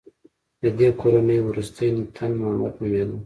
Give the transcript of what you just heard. د دې کورنۍ وروستی تن محمد نومېده.